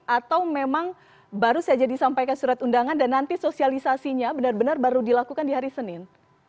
atau memang baru saja disampaikan surat undangan dan nanti sosialisasinya benar benar baru dilakukan di hari senin